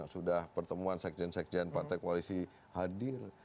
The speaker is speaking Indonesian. sudah pertemuan sekjen sekjen partai koalisi hadir